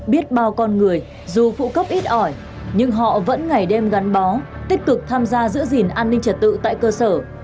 biết bao con người dù phụ cấp ít ỏi nhưng họ vẫn ngày đêm gắn bó tích cực tham gia giữ gìn an ninh trật tự tại cơ sở